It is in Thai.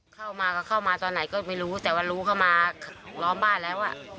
เข้ามาก็เข้ามาตอนไหนก็ไม่รู้แต่ว่ารู้เข้ามาล้อมบ้านแล้วอ่ะ